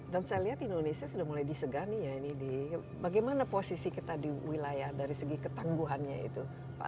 dan saya lihat indonesia sudah mulai disegani ya ini bagaimana posisi kita di wilayah dari segi ketangguhannya itu